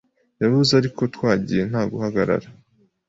Yavuze ariko twagiye nta guhagarara